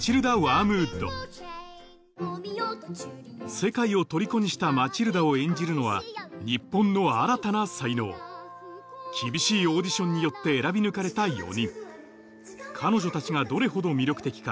世界をとりこにしたマチルダを演じるのは日本の新たな才能厳しいオーディションによって選び抜かれた４人彼女たちがどれほど魅力的か